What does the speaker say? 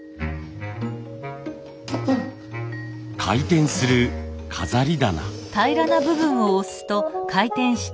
回転する飾り棚。